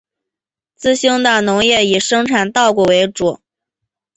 资兴的农业以生产稻谷为主。